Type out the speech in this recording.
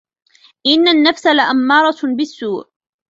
إن النفس لأمارة بالسوء